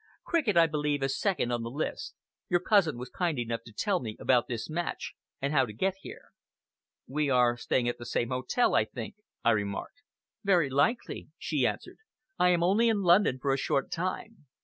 Cricket, I believe, is second on the list. Your cousin was kind enough to tell me about this match, and how to get here." "We are staying at the same hotel, I think," I remarked. "Very likely," she answered, "I am only in London for a short time.